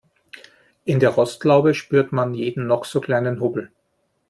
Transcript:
In der Rostlaube spürt man jeden noch so kleinen Hubbel.